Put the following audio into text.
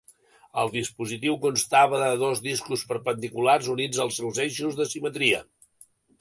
El dispositiu constava de dos discos perpendiculars units als seus eixos de simetria.